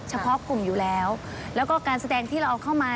เฉพาะกลุ่มอยู่แล้วแล้วก็การแสดงที่เราเอาเข้ามา